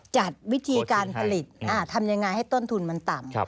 จัดวิธีการผลิตทำยังไงให้ต้นทุนมันต่ำ